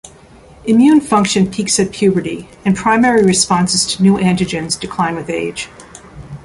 Immune function peaks at puberty and primary responses to new antigens decline with age.